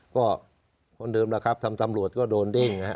ก็คนเดิมล่ะครับทำตำรวจก็โดนดิ้งนะครับ